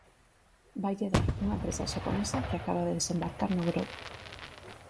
Vaille dar unha empresa xaponesa que acaba de desembarcar no Grove.